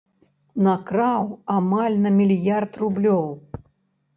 Накраў амаль на мільярд рублёў.